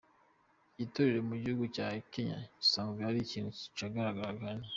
Igiturire mu gihugu ca Kenya gisanzwe ari ikintu cigaragaza cane.